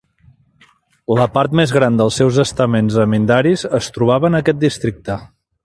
La part més gran dels seus estaments zamindaris es trobava en aquest districte.